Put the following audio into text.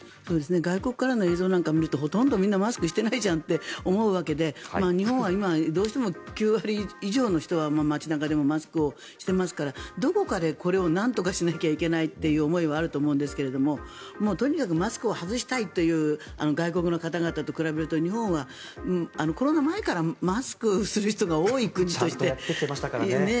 外国からの映像なんかを見るとほとんどみんなマスクしてないじゃんって思うわけで日本は今、どうしても９割以上の人は街中でもマスクをしていますからどこかで、これをなんとかしなきゃいけないという思いはあると思うんですけどとにかくマスクを外したいという外国の方々と比べると日本はコロナ前からマスクをする人が多い国としてね。